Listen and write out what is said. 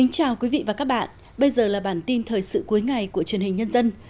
chào mừng quý vị đến với bản tin thời sự cuối ngày của truyền hình nhân dân